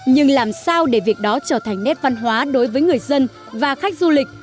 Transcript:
nhưng làm sao để việc đó trở thành nét văn hóa đối với người dân và khách du lịch